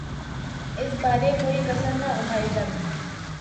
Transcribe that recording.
اس بارے کوئی کسر نہ اٹھائی جاتی۔